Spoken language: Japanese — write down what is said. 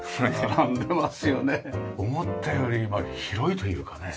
思ったより広いというかね